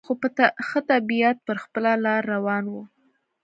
خو په ښه طبیعت پر خپله لار روان و.